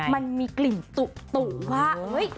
มันมีกลิ่นตุ๋มบ้าง